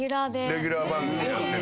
レギュラー番組やってて。